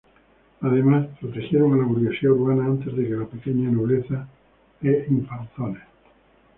Además protegieron a la burguesía urbana antes que a la pequeña nobleza e infanzones.